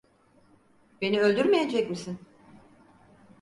Beni öldürmeyecek misin?